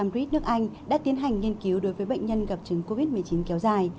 mdrid nước anh đã tiến hành nghiên cứu đối với bệnh nhân gặp chứng covid một mươi chín kéo dài